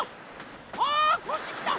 あこしきた！